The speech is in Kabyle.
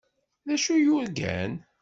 D acu i yurgan?